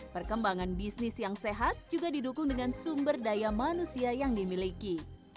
perkembangan bisnis yang sehat juga didukung dengan sumber daya manusia yang dimiliki